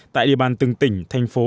tại địa bàn từng tỉnh thành phố